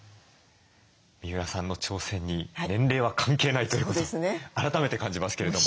三浦さんの挑戦に年齢は関係ないということを改めて感じますけれども。